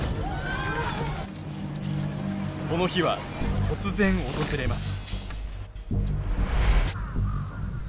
その日は突然訪れます。